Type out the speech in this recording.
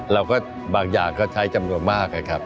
บางอย่างก็ใช้จำนวนมากนะครับ